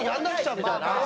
みたいな。